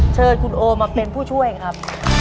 เชิญคุณโอมาเป็นผู้ช่วยครับ